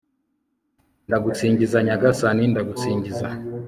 r/ ndagusingiza nyagasani, ndagusingiza